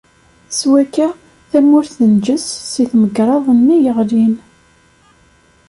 Swakka, tamurt tenǧes si tmegraḍ-nni yeɣlin.